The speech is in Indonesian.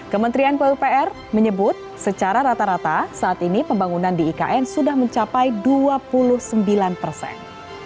kementerian pupr menyebut secara rata rata saat ini pembangunan di ikn sudah mencapai dua puluh sembilan persen